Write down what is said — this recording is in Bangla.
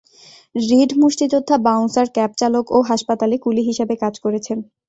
রিড মুষ্টিযোদ্ধা, বাউন্সার, ক্যাব চালক ও হাসপাতালে কুলি হিসেবে কাজ করেছেন।